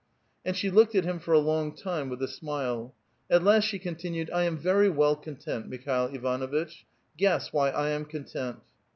And she looked at him for a long time with a smile; at last she continued: "• 1 am very well content, Mikhail Ivanuitch ; guess why I am content."